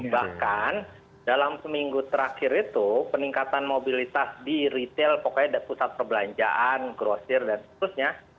bahkan dalam seminggu terakhir itu peningkatan mobilitas di retail pokoknya pusat perbelanjaan grosir dan seterusnya